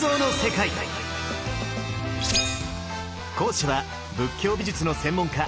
講師は仏教美術の専門家